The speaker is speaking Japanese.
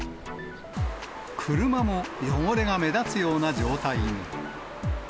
車も汚れが目立つような状態に。